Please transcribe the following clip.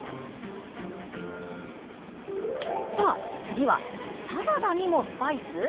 次は、サラダにもスパイス？